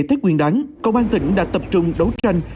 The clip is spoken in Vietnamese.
thết quyền đáng công an tỉnh đã tập trung đấu tranh